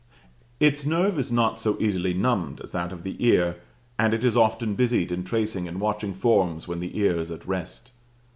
Its nerve is not so easily numbed as that of the ear, and it is often busied in tracing and watching forms when the ear is at rest.